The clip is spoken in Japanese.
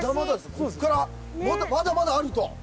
ここからまだまだあると。